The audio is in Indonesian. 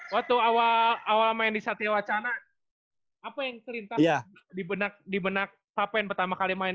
waktu awal main di satya wacana apa yang selintas di benak apa yang pertama kali main